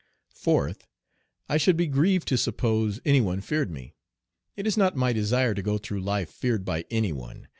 Fourth. I should be grieved to suppose any one feared me. It is not my desire to go through life feared by any one.